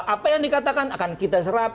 apa yang dikatakan akan kita serap